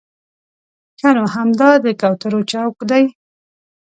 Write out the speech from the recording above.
ښه نو همدا د کوترو چوک دی.